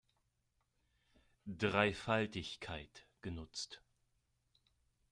Dreifaltigkeit genutzt.